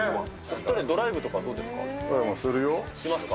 ドライブとか、どうですか？